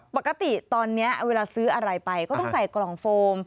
ปกติตอนนี้เวลาซื้ออะไรไปก็ต้องใส่กล่องโฟม